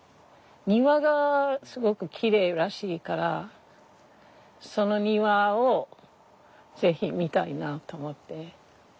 庭がすごくきれいらしいからその庭を是非見たいなと思って。